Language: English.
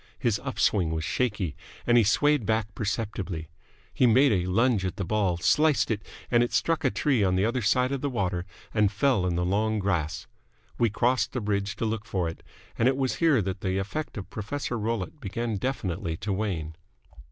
His up swing was shaky, and he swayed back perceptibly. He made a lunge at the ball, sliced it, and it struck a tree on the other side of the water and fell in the long grass. We crossed the bridge to look for it; and it was here that the effect of Professor Rollitt began definitely to wane.